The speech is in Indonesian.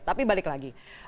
tapi balik lagi